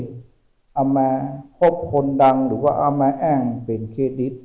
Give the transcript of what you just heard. อำมาครบคนดังหรือว่าอำมาแอ้งเป็นเครดิต